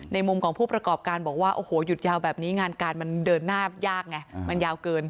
มุมของผู้ประกอบการบอกว่าโอ้โหหยุดยาวแบบนี้งานการมันเดินหน้ายากไงมันยาวเกิน